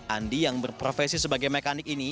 andi yang berprofesi sebagai mekanik ini